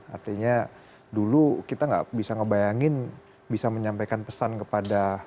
artinya dulu kita nggak bisa ngebayangin bisa menyampaikan pesan kepada